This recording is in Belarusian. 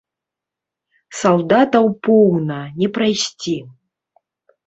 Салдатаў поўна, не прайсці.